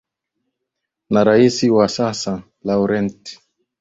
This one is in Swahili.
ra na rais wa sasa laurent